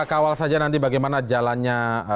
kawal saja nanti bagaimana jalannya